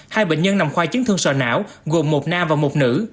hai bệnh nhân nằm khoa chấn thương sò não gồm một nam và một nữ